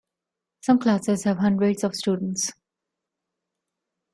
Some classes have hundreds of students.